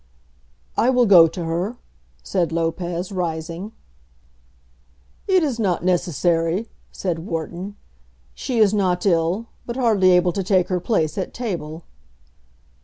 "I will go to her," said Lopez, rising. "It is not necessary," said Wharton. "She is not ill, but hardly able to take her place at table."